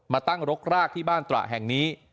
มาตั้งรกรากที่บ้านตระแห่งนี้